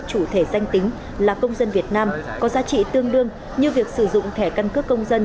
chủ thể danh tính là công dân việt nam có giá trị tương đương như việc sử dụng thẻ căn cước công dân